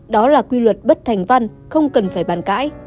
đó là quy luật bất thành văn không cần phải bàn cãi